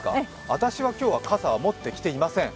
私は今日は、傘は持ってきていません。